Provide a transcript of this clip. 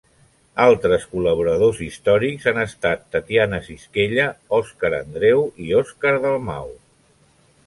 Altres col·laboradors històrics han estat Tatiana Sisquella, Òscar Andreu i Òscar Dalmau.